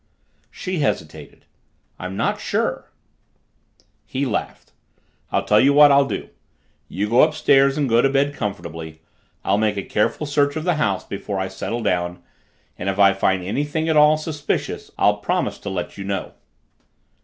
She hesitated. "I'm not sure." He laughed. "I'll tell you what I'll do. You go upstairs and go to bed comfortably. I'll make a careful search of the house before I settle down, and if I find anything at all suspicious, I'll promise to let you know."